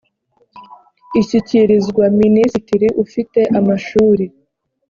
ishyikirizwa minisitiri ufite amashuri